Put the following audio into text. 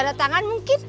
tanda tangan mungkin